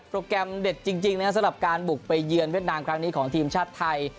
แกรมเด็ดจริงนะครับสำหรับการบุกไปเยือนเวียดนามครั้งนี้ของทีมชาติไทย